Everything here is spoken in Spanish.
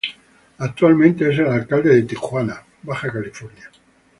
Actualmente, es el alcalde de Tijuana, Baja California.